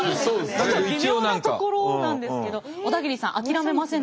ちょっと微妙なところなんですけど小田切さん諦めませんでした。